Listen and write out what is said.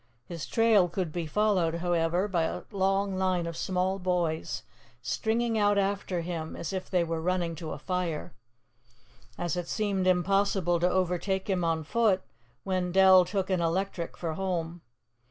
His trail could be followed, however, by a long line of small boys, stringing out after him as if they were running to a fire. As it seemed impossible to overtake him on foot, Wendell took an electric for home.